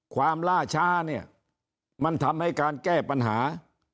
ความล่าช้ามันทำให้การแก้ปัญหา